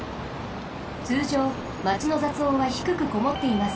つうじょうマチのざつおんはひくくこもっています。